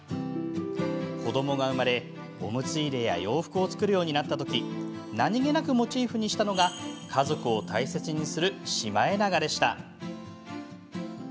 子どもが生まれ、おむつ入れや洋服を作るようになった時何気なくモチーフにしたのが家族を大切にするシマエナガでした。